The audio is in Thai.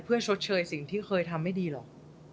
เพื่อชดเชยสิ่งที่เคยทำไม่ดีหรอก